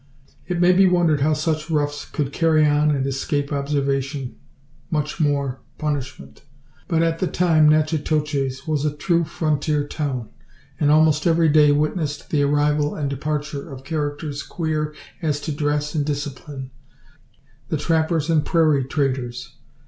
It may be wondered how such roughs could carry on and escape observation, much more, punishment. But at the time Natchitoches was a true frontier town, and almost every day witnessed the arrival and departure of characters "queer" as to dress and discipline the trappers and prairie traders.